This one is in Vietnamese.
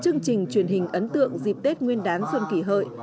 chương trình truyền hình ấn tượng dịp tết nguyên đán xuân kỳ hơi